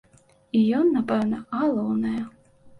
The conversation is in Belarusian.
І ён, напэўна, галоўнае.